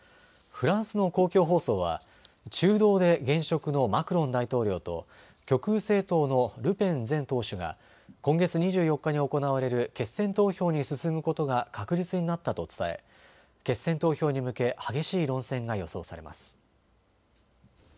フランスの公共放送は中道で現職のマクロン大統領と極右政党のルペン前党首が今月２４日に行われる決選投票に進むことが確実になったと伝え決選投票に向け激しい論戦が予想されます。